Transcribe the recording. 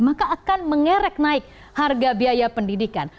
maka akan mengerek naik harga biaya pendidikan